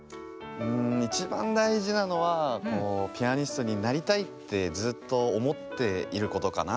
いちばんだいじなのはピアニストになりたいってずっとおもっていることかな。